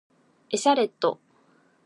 エシャレット